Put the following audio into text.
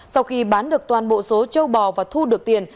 sau khi bán được toàn bộ số châu bò và thu được tiền